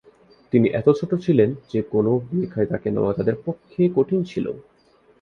তিনি এত ছোট ছিলেন যে কোনও ভূমিকায় তাকে নেওয়া তাদের পক্ষে কঠিন ছিল।